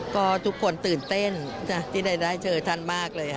ก็ทุกคนตื่นเต้นที่ได้เจอท่านมากเลยค่ะ